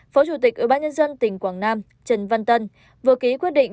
phó chủ tịch ủy ban nhân dân tỉnh quảng nam trần văn tân vừa ký quyết định